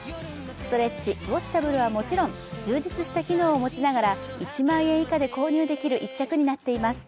ストレッチ、ウォッシャブルはもちろん充実した機能を持ちながら１万円以下で購入できる１着になっています